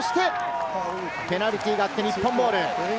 そしてペナルティーがあって日本ボール。